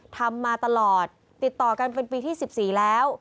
ทำมาตลอดติดต่อกันเป็นปีที่๑๔แล้ว